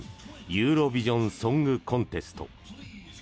ユーロビジョン・ソング・コンテスト。